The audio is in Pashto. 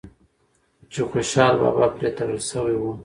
چې خوشحال بابا پرې تړل شوی و